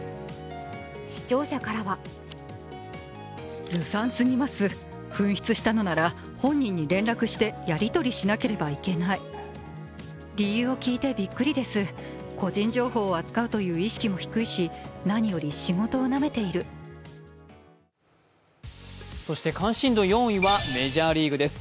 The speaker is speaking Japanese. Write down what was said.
視聴者からはそして関心度４位はメジャーリーグです。